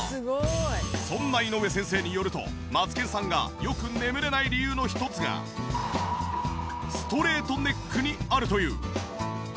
そんな井上先生によるとマツケンさんがよく眠れない理由の一つがストレートネックにあるという。